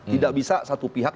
tidak bisa satu pihak